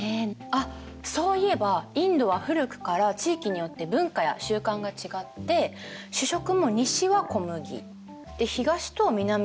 あっそういえばインドは古くから地域によって文化や習慣が違って主食も西は小麦で東と南はお米でしたよね。